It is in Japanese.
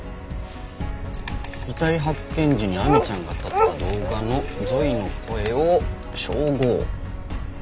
遺体発見時に亜美ちゃんが撮った動画のゾイの声を照合。